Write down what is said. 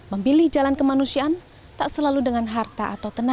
memilih jalan kemanusiaan tak selalu dengan harta atau tenaga